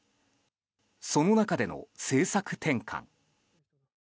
その中での政策転換。